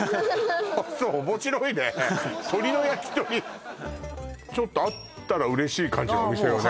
そう面白いね鶏のやきとりちょっとあったら嬉しい感じのお店よね